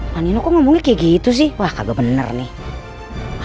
la nina kok ngomongnya kayak gitu sih wah kagak bener nih